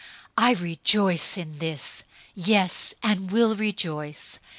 I rejoice in this, yes, and will rejoice.